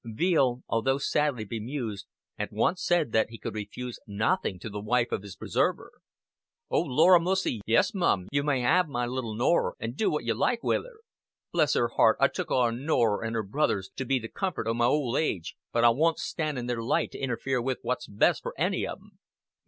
Veale, although sadly bemused, at once said that he could refuse nothing to the wife of his preserver. "Oh, lor a mussy, yes, mum, you may 'aave my little Norrer an' do what you like wi' her. Bless her heart, I look on Norrer and her brothers to be the comfort o' my old age, but I wunt stan' in their light to interfere wi' what's best for any of 'em."